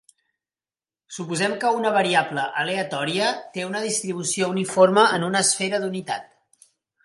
Suposem que una variable aleatòria té una distribució uniforme en una esfera d'unitat.